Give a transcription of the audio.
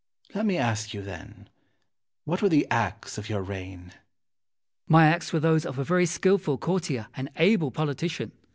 Let me ask you, then, What were the acts of your reign? Wolsey. My acts were those of a very skilful courtier and able politician.